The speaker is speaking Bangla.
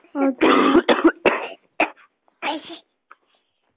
ওহ, ধানা!